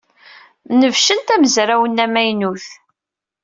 Nebcent amezraw-nni amaynu.